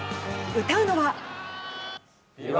歌うのは。